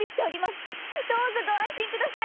どうぞご安心ください！